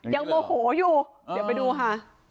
โมโหอยู่เดี๋ยวไปดูค่ะ